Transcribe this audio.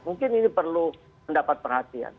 mungkin ini perlu mendapat perhatian